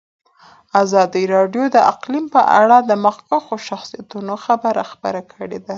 ازادي راډیو د اقلیم په اړه د مخکښو شخصیتونو خبرې خپرې کړي.